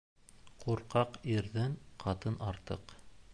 Ҡурҡаҡ ирҙән ҡатын артыҡ